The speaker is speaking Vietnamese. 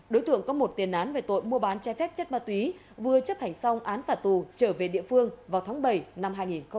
đối tượng có một tiền án về tội mua bán trái phép chất ma túy vừa chấp hành xong án phạt tù trở về địa phương vào tháng bảy năm hai nghìn hai mươi